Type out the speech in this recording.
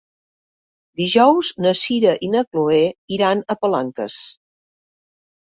Dijous na Sira i na Chloé iran a Palanques.